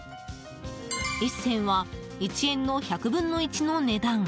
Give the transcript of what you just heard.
１銭は１円の１００分の１の値段。